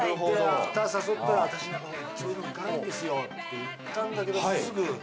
アフター誘ったら「私そういうの行かないんですよ」って言ったんだけどすぐ。